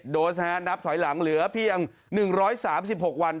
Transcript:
โดสนับถอยหลังเหลือเพียง๑๓๖วัน